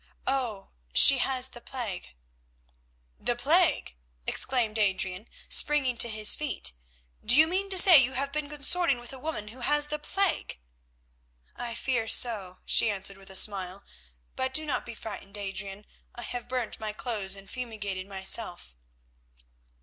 Oh! she has the plague." "The plague!" exclaimed Adrian, springing to his feet, "do you mean to say you have been consorting with a woman who has the plague?" "I fear so," she answered with a smile, "but do not be frightened, Adrian, I have burnt my clothes and fumigated myself."